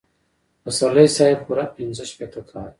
پسرلي صاحب پوره پنځه شپېته کاله.